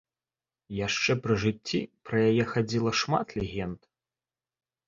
Яшчэ пры жыцці пра яе хадзіла шмат легенд.